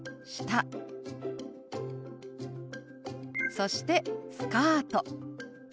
そして「スカート」。